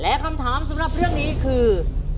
และคำถามสำหรับเรื่องนี้คือ